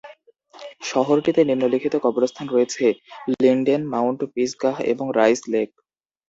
শহরটিতে নিম্নলিখিত কবরস্থান রয়েছে: লিনডেন, মাউন্ট পিসগাহ এবং রাইস লেক।